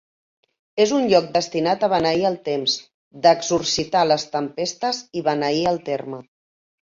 És un lloc destinat a beneir el temps, d'exorcitzar les tempestes i beneir el terme.